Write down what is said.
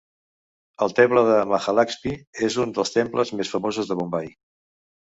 El temple de Mahalaxmi és un dels temples més famosos de Bombai.